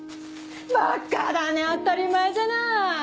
ばかだね当たり前じゃない！